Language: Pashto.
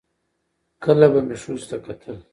کله به مې ښځو ته کتل